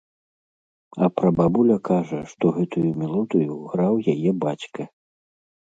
А прабабуля кажа, што гэтую мелодыю граў яе бацька.